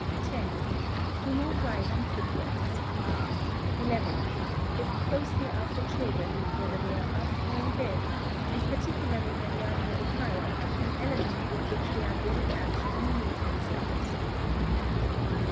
x. Do not ride on footways. xi. Look closely after children, whether they are up or in bed; and particularly when they are near the fire, an element with which they are very apt to amuse themselves.